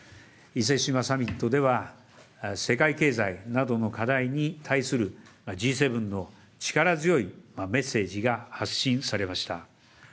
伊勢志摩サミットでは世界経済などの課題に対するＧ７の力強いメッセージが発信されました。